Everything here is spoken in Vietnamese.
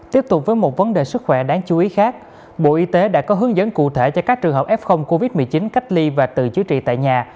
tiếp tục với một vấn đề sức khỏe đáng chú ý khác bộ y tế đã có hướng dẫn cụ thể cho các trường hợp f covid một mươi chín cách ly và tự chữa trị tại nhà